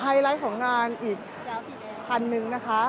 ไลท์ของงานอีกพันหนึ่งนะคะ